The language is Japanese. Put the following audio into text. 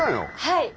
はい。